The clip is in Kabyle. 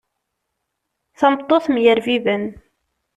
Tameṭṭut mm yerbiben.